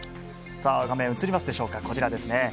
さあ、画面映りますでしょうか、こちらですね。